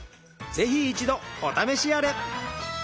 ぜひ一度お試しあれ！